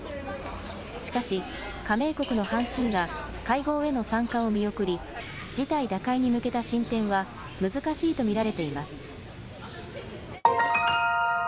しかし加盟国の半数が会合への参加を見送り事態打開に向けた進展は難しいと見られています。